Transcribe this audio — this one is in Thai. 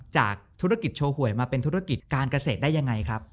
จากธุรกิจโชว์หวยมาเป็นธุรกิจการเกษตรได้ยังไงครับ